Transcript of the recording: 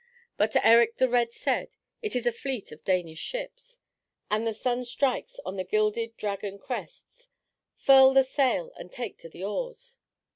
But Erik the Red said, "It is a fleet of Danish ships, and the sun strikes on the gilded dragon crests; furl the sail and take to the oars."